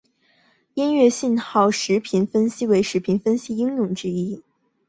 音乐信号时频分析为时频分析应用之一。